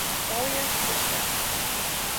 Folje de sel.